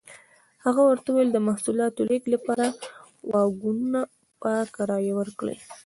هغه ورته وویل د محصولاتو لېږد لپاره واګونونه په کرایه ورکړي.